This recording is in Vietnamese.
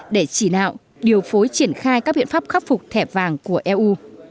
để chỉ đạo điều phối triển khai các biện pháp khắc phục thẻ vàng của eu